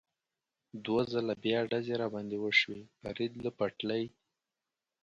دوه ځله بیا ډزې را باندې وشوې، فرید له پټلۍ.